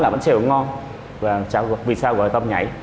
bánh xèo tôm nhảy ngon và vì sao gọi là tôm nhảy